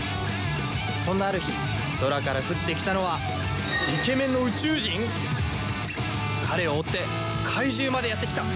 そんなある日空から降ってきたのは彼を追って怪獣までやってきた。